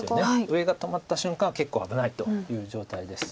上が止まった瞬間結構危ないという状態です。